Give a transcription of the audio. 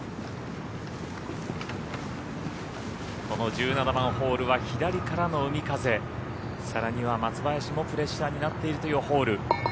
この１７番ホールは左からの海風さらには松林もプレッシャーになっているというホール。